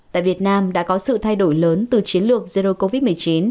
tại việt nam đã có sự thay đổi lớn từ chiến lược zoo covid một mươi chín